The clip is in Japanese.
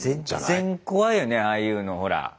全然怖いよねああいうのほら。